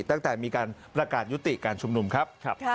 ตั้งแต่มีการประกาศยุติการชุมนุมครับ